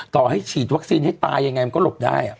ต่อให้ฉีดวัคซีนให้ตายยังไงมันก็หลบได้